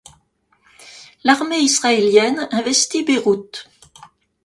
L'armée israélienne investit Beyrouth.